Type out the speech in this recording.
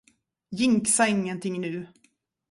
Jinxa ingenting nu.